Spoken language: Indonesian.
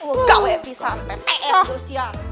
oh gawe pisah tts gosian